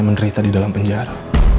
menderita di dalam penjara